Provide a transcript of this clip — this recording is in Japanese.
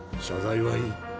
謝罪はいい。